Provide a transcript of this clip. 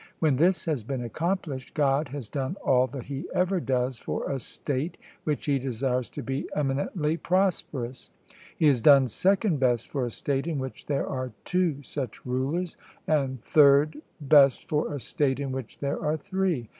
When this has been accomplished, God has done all that he ever does for a state which he desires to be eminently prosperous; He has done second best for a state in which there are two such rulers, and third best for a state in which there are three.